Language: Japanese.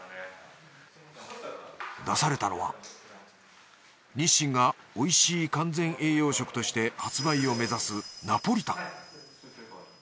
出されたのは日清がおいしい完全栄養食として発売を目指すナポリタン